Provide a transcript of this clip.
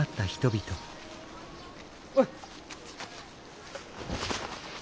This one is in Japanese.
おい！